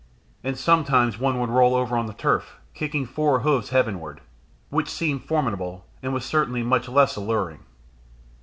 And sometimes one would roll over on the turf, kicking four hoofs heavenward, which seemed formidable and was certainly much less alluring.